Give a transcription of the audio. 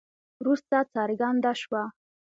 وروسته څرګنده شوه.